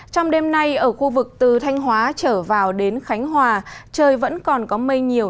trong đêm nay ở khu vực từ thanh hóa trở vào đến khánh hòa trời vẫn còn có mây nhiều